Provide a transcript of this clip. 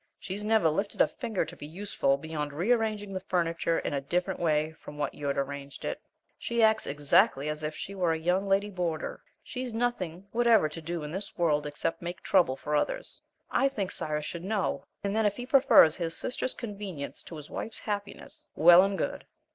She's never lifted a finger to be useful beyond rearranging the furniture in a different way from what you'd arranged it. She acts exactly as if she were a young lady boarder. She's nothing whatever to do in this world except make trouble for others. I think Cyrus should know, and then if he prefers his sister's convenience to his wife's happiness, well and good!"